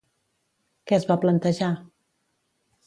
Què es va plantejar?